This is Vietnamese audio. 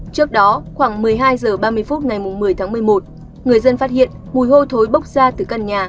trước đó khoảng một mươi hai h ba mươi phút ngày một mươi tháng một mươi một người dân phát hiện mùi hôi thối bốc ra từ căn nhà